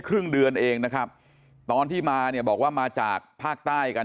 ครึ่งเดือนเองนะครับตอนที่มาเนี่ยบอกว่ามาจากภาคใต้กัน